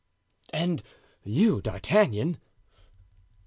"And you, D'Artagnan?"